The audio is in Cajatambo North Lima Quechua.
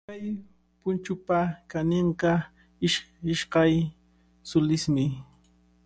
Kay punchupa chaninqa ishkay sulismi.